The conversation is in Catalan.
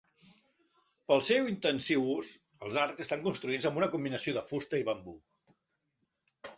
Pel seu intensiu ús els arcs estan construïts amb una combinació de fusta i bambú.